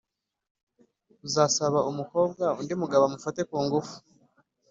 uzasaba umukobwa undi mugabo amufate ku ngufu